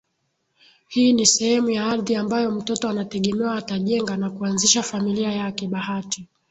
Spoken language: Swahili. Hii ni sehemu ya ardhi ambayo mtoto anategemewa atajenga na kuanzisha familia yake Bahati